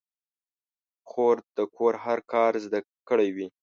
خور د کور هر کار زده کړی وي.